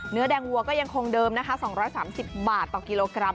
เนื้อแดงวัวก็ยังคงเดิมนะคะ๒๓๐บาทต่อกิโลกรัม